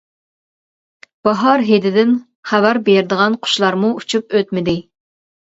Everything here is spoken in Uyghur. باھار ھىدىدىن خەۋەر بېرىدىغان قۇشلارمۇ ئۇچۇپ ئۆتمىدى.